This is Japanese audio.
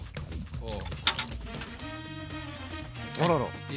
そう。